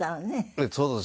ええそうですね。